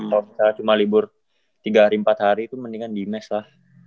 kalau kita cuma libur tiga hari empat hari itu mendingan di mes lah